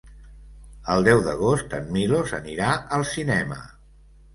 El deu d'agost en Milos anirà al cinema.